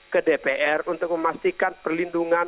ke dpr untuk memastikan perlindungan